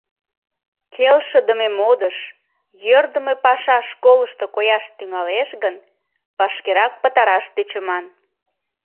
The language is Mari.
Келшыдыме модыш, йӧрдымӧ паша школышто кояш тӱҥалеш гын, вашкерак пытараш тӧчыман.